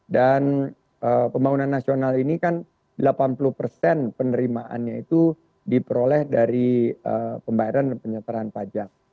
dan pembangunan nasional ini kan delapan puluh penerimaannya itu diperoleh dari pembayaran dan penyetaraan pajak